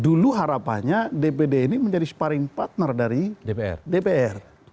dulu harapannya dpd ini menjadi sparring partner dari dpr